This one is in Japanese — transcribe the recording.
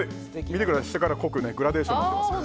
見てください、下からグラデーションになってますよ。